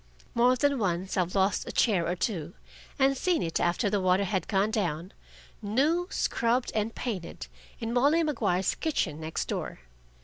More than once I've lost a chair or two, and seen it after the water had gone down, new scrubbed and painted, in Molly Maguire's kitchen next door.